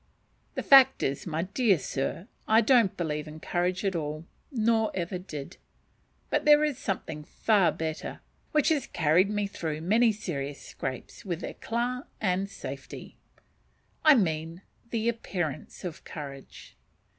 The fact is, my dear sir, I don't believe in courage at all, nor ever did: but there is something far better, which has carried me through many serious scrapes with éclat and safety; I mean the appearance of courage.